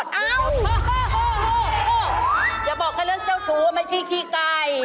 เอ้าจะบอกแค่เรื่องเจ้าชู้ว่าไม่ใช่ขี้ไก่